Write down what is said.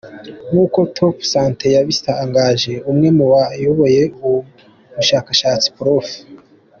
Nk’uko topsante yabitangaje, umwe mu bayoboye ubwo bushakashatsi Prof.